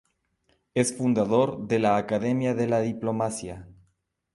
Es fundador de la Academia de la Diplomacia.